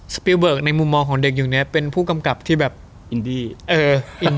สปีลเบิร์กในมุมมองของเด็กยุคนี้เป็นผู้กำกับที่แบบเออ